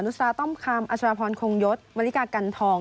นุษยาต้อมคามอัชวพรคงยศวริกากันทอง